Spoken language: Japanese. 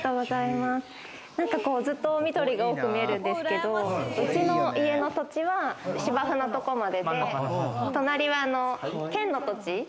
なんかずっと緑が多く見えるんですけど、うちの家の土地は芝生のところまでで隣は県の土地。